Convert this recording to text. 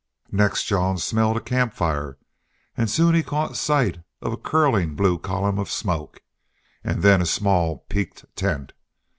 Next Jean smelled a camp fire and soon he caught sight of a curling blue column of smoke, and then a small peaked tent.